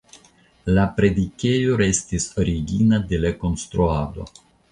La predikejo restis origina de la konstruado.